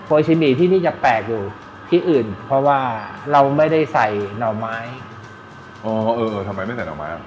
ชิมีที่นี่จะแปลกอยู่ที่อื่นเพราะว่าเราไม่ได้ใส่หน่อไม้อ๋อเออทำไมไม่ใส่หน่อไม้